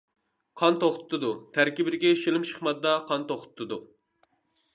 قان توختىتىدۇ، تەركىبىدىكى شىلىمشىق ماددا قان توختىتىدۇ.